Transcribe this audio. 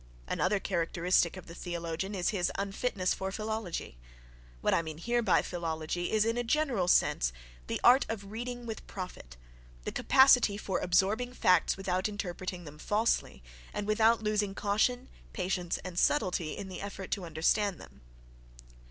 —Another characteristic of the theologian is his unfitness for philology. What I here mean by philology is, in a general sense, the art of reading with profit—the capacity for absorbing facts without interpreting them falsely, and without losing caution, patience and subtlety in the effort to understand them.